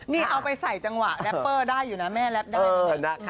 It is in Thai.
นี่เอาไปใส่จังหวะแรปเปอร์ได้อยู่นะแม่แรปได้ตอนนี้